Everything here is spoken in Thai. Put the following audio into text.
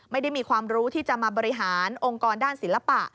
ไม่ได้มีความรู้ที่จะมาบริหารองค์กรด้านศิลปะ